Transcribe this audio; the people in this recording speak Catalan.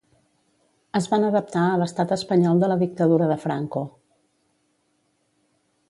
Es van adaptar a l'estat espanyol de la dictadura de Franco.